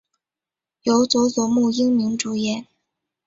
由佐佐木英明主演。